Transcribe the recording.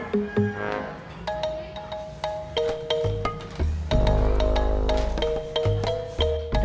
doi kamu beneran bisa ngaji